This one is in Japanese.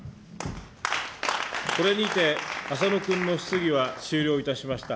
これにて、浅野君の質疑は終了いたしました。